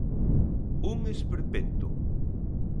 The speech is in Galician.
Un esperpento.